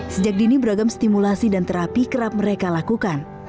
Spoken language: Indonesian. sejak dini beragam stimulasi dan terapi kerap mereka lakukan